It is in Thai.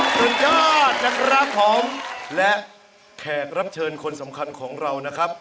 สุดยอดนะครับผมและแขกรับเชิญคนสำคัญของเรานะครับ